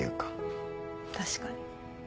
確かに。